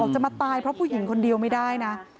จะมาตายเพราะผู้หญิงคนเดียวไม่ได้นะ